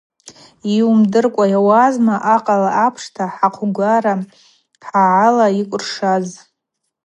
Йуымдыркӏва йауазма акъала апшта хӏахъвгвара хӏагӏала йкӏвыршаз.